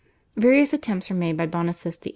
Various attempts were made by Boniface VIII.